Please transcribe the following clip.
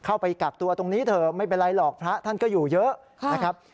เข้าไปกักตัวตรงนี้เถอะไม่เป็นไรหรอกพระท่านก็อยู่เยอะนะครับ